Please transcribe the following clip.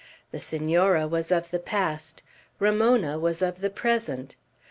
The Senora was of the past; Ramona was of the present.